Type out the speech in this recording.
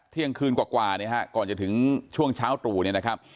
เที่ยงคืนกว่าเนี่ยฮะก่อนจะถึงช่วงเช้าตรู่เนี่ยนะครับ